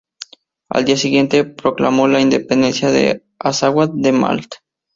Al día siguiente, proclamó la independencia del Azawad de Malí.